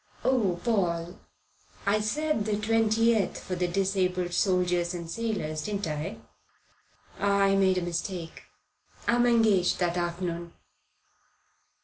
"Oh, Paul, I said the 20th for the Disabled Soldiers and Sailors, didn't I? I made a mistake. I'm engaged that afternoon."